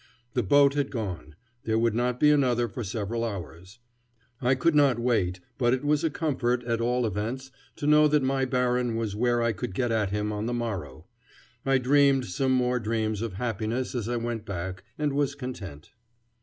The boat had gone; there would not be another for several hours. I could not wait, but it was a comfort, at all events, to know that my baron was where I could get at him on the morrow. I dreamed some more dreams of happiness as I went back, and was content.